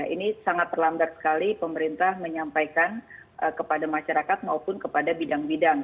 ini sangat terlambat sekali pemerintah menyampaikan kepada masyarakat maupun kepada bidang bidang